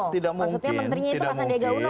maksudnya menterinya itu pak sandiaga uno